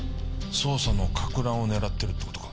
捜査の撹乱を狙ってるって事か？